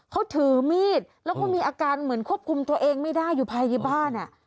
เขาถือมีดแล้วก็มีอาการเหมือนควบคุมตัวเองไม่ได้อยู่ภายในบ้าน